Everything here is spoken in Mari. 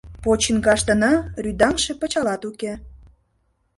Почиҥгаштына рӱдаҥше пычалат уке.